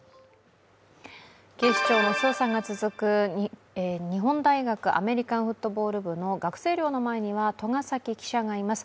警視庁の捜査が続く日本大学アメリカンフットボール部の学生寮の前には栂崎記者がいます。